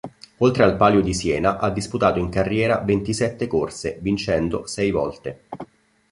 Oltre al Palio di Siena, ha disputato in carriera ventisette corse, vincendo sei volte.